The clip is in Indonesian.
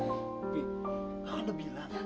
opi aku udah bilang